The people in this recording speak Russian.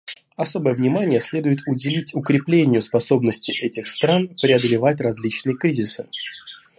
Особое внимание следует уделить укреплению способности этих стран преодолевать различные кризисы.